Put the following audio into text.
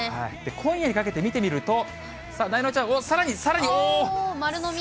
今夜にかけて見てみると、さあ、なえなのちゃん、さらに、さらに。丸飲み。